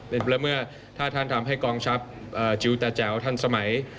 และเมื่อถ้าท่านทำให้กองทัพจิลตาแจ๋วทันสมัย